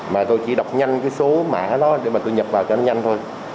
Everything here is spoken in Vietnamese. mà tôi chỉ đọc nhanh cái số mã đó để mà tôi nhập vào cái đó nhanh thôi